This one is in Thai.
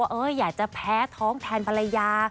อยากจะแพ้ท้องแทนภรรยา